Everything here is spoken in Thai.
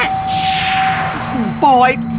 โอ้โหปอย